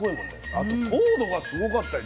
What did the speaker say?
あと糖度がすごかったよ。